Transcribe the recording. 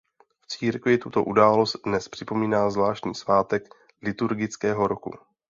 V církvi tuto událost dnes připomíná zvláštní svátek liturgického roku.